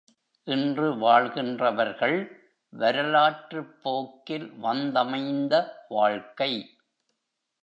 இன்று வாழ்கின்றவர்கள், வரலாற்றுப் போக்கில் வந்தமைந்த வாழ்க்கை.